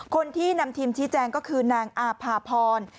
คนที่นำทีมชี้แจงก็คือนางอาภาพร